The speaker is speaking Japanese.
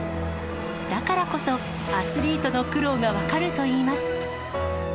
だからこそ、アスリートの苦労が分かるといいます。